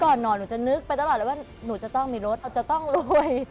นอนหนูจะนึกไปตลอดเลยว่าหนูจะต้องมีรถจะต้องรวย